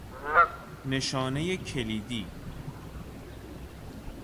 نشانه کلیدی